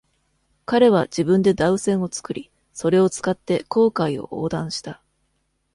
彼は自分でダウ船を作り、それを使って紅海を横断した。